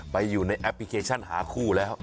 ไปอยู่ในแอปพลิเคชันหาคู่แล้ว